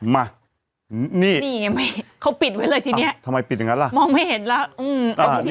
มานี่นี่ไงเขาปิดไว้เลยทีนี้ทำไมปิดอย่างนั้นล่ะมองไม่เห็นแล้ว